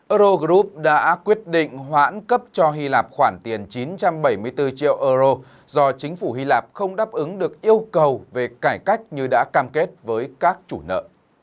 eurogroup đã quyết định hoãn cấp cho hy lạp khoản tiền chín trăm bảy mươi bốn triệu euro do chính phủ hy lạp không đáp ứng được yêu cầu về cải cách như đã cam kết với các chủ nợ